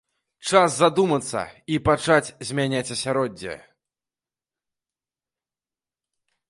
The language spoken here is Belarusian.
Час задумацца і пачаць змяняць асяроддзе!